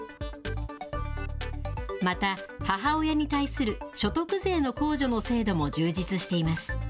また母親に対する所得税の控除の制度も充実しています。